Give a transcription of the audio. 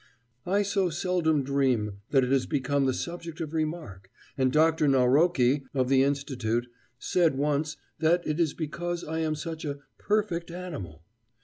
... I so seldom dream, that it has become the subject of remark, and Dr. Naurocki of the Institute said once that it is because I am such a "perfect animal."